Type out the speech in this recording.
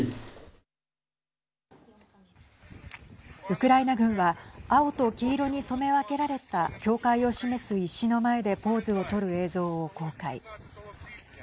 ウクライナ軍は青と黄色に染め分けられた境界を示す石の前でポーズをとる映像を公開。